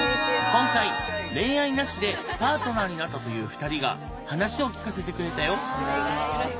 今回恋愛なしでパートナーになったという２人が話を聞かせてくれたよ。